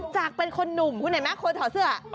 จากเป็นคนหนุ่มคุณเห็นไหมคนถอดเสื้อ